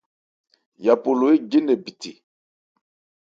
Yapo lo éje nkɛ bithe.